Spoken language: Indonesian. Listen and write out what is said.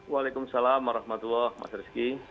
waalaikumsalam warahmatullahi wabarakatuh mas rizky